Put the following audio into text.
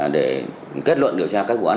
để kết luận điều tra các vụ án